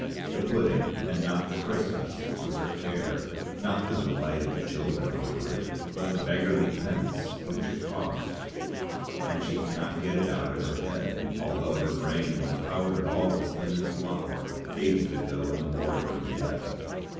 the pudding and not the Christmas was her care; not the delight of the children over it, but the beggarly pence which it cost. And she cannot get it out of her head, although her brain was 'powdered all as thin as flour' ages ago in the mortar of Death.